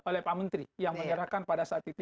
oleh pak menteri yang menyerahkan pada saat itu